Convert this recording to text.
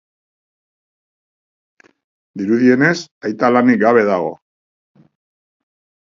Dirudienez, aita lanik gabe dago.